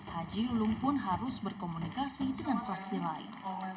haji lulung pun harus berkomunikasi dengan fraksi lain